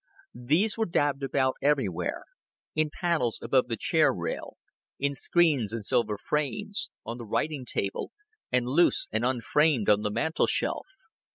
These were dabbed about everywhere in panels above the chair rail, in screens and silver frames, on the writing table, and loose and unframed on the mantel shelf.